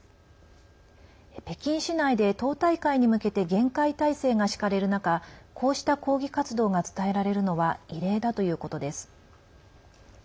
北京市内で党大会に向けて厳戒態勢が敷かれる中こうした抗議活動が伝えられるのは異例だということです。